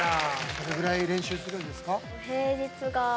どれぐらい練習するんですか？